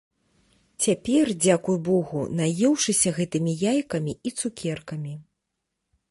Цяпер, дзякуй богу, наеўшыся гэтымі яйкамі і цукеркамі.